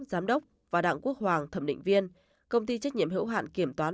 giám đốc và đặng quốc hoàng thẩm định viên công ty trách nhiệm hữu hạn kiểm toán